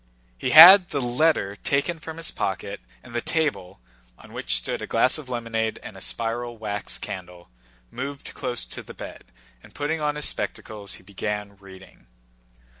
He had the letter taken from his pocket and the table—on which stood a glass of lemonade and a spiral wax candle—moved close to the bed, and putting on his spectacles he began reading.